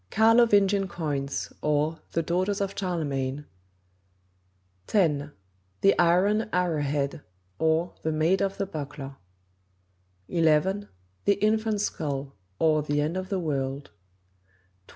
Carlovingian Coins; or, The Daughters of Charlemagne; 10. The Iron Arrow Head; or, The Maid of the Buckler; 11. The Infant's Skull; or, The End of the World; 12.